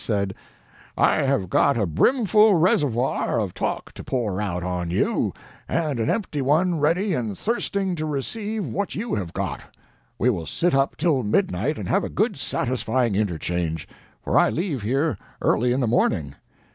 said: "I have got a brimful reservoir of talk to pour out on you, and an empty one ready and thirsting to receive what you have got; we will sit up till midnight and have a good satisfying interchange, for I leave here early in the morning."